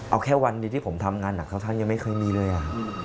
เอาแค่วันดีที่ผมทำงานเขาท่านยังไม่เคยมีเลย